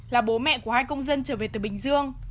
là bố mẹ của hai công dân trở về từ bình dương